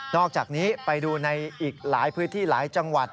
อกจากนี้ไปดูในอีกหลายพื้นที่หลายจังหวัด